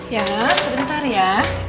ya sebentar ya